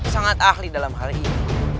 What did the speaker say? sangat ahli dalam hal ini